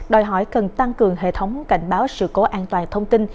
đòi hỏi cần tăng cường hệ thống cảnh báo sự cố an toàn thông tin